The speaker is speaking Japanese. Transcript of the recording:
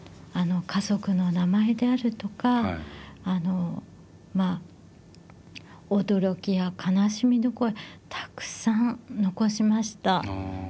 家族の名前であるとかあのまあ驚きや悲しみの声たくさん残しました。